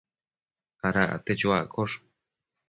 Ada acte chuaccosh